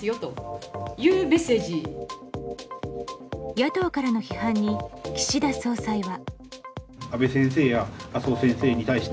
野党からの批判に岸田総裁は。